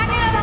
stres kali ya